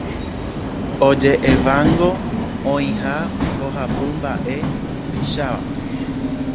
Oje'évango oĩha mbohapy mba'e tuicháva